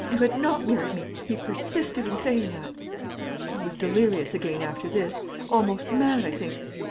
You had not married me; he persisted in saying that. "I was delirious again after this; almost mad, I think.